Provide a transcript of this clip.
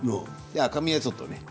赤身はちょっとね。